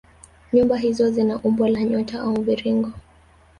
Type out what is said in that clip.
Nyumba hizo zina umbo la nyota au mviringo